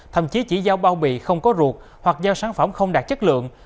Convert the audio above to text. thậm chí chỉ giao bao bì không có ruột hoặc giao sản phẩm không đạt chất lượng